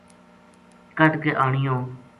کَڈھ کے آنیو